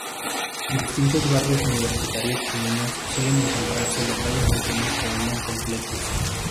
En distintos barrios universitarios chilenos suelen encontrarse locales pequeños que venden completos.